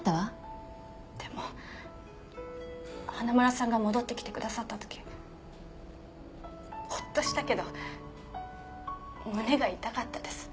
でも花村さんが戻ってきてくださった時ホッとしたけど胸が痛かったです。